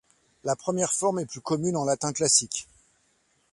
La première forme est plus commune en latin classique.